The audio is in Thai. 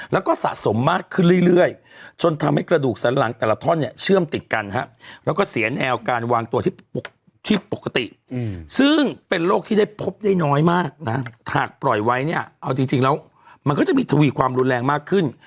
หากปล่อยไว้เนี่ยเอาจริงแล้วมันก็จะมีทวีความรุนแรงมากขึ้น